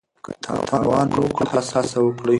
که تاوان مو وکړ بیا هڅه وکړئ.